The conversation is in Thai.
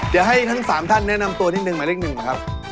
เดี๋ยวให้ทั้ง๓ท่านแนะนำตัวนิดนึงหมายเลขหนึ่งนะครับ